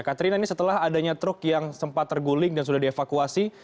katrina ini setelah adanya truk yang sempat terguling dan sudah dievakuasi